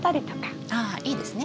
ああいいですね。